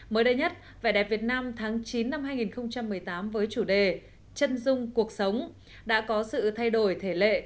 mới đây nhất vẻ đẹp việt nam tháng chín năm hai nghìn một mươi tám với chủ đề chân dung cuộc sống đã có sự thay đổi thể lệ